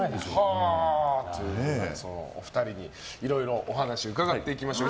お二人にいろいろお話伺っていきましょう。